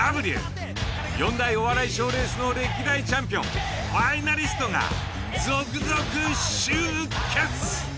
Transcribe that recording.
４大お笑い賞レースの歴代チャンピオンファイナリストが続々集結。